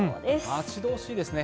待ち遠しいですね。